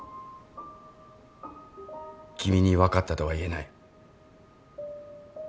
君に分かったとは言えない。